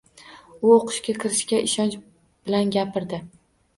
U o‘qishga kirishiga ishonch bilan gapirdi.